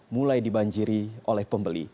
mulai dibanjiri oleh pembeli